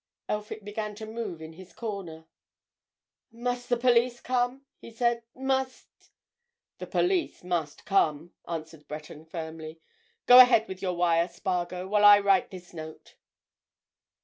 Elphick began to move in his corner. "Must the police come?" he said. "Must——" "The police must come," answered Breton firmly. "Go ahead with your wire, Spargo, while I write this note."